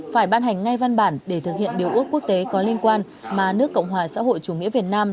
phải ban hành ngay văn bản để thực hiện điều ước quốc tế có liên quan mà nước cộng hòa xã hội chủ nghĩa việt nam